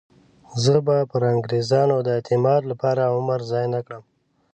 زه به پر انګریزانو د اعتماد لپاره عمر ضایع نه کړم.